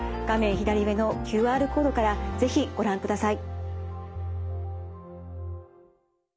左上のＱＲコードから是非ご覧ください。